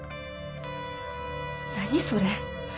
何それ？